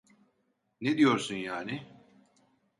Ne diyorsun yani?